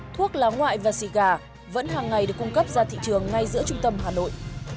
thuốc lá ngoại và xịt gà vẫn hàng ngày được cung cấp ra thị trường ngay giữa trung tâm hà nội